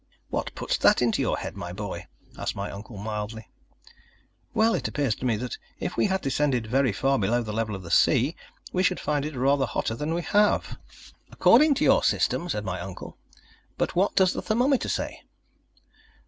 "What puts that into your head, my boy?" asked my uncle mildly. "Well, it appears to me that if we had descended very far below the level of the sea we should find it rather hotter than we have." "According to your system," said my uncle; "but what does the thermometer say?"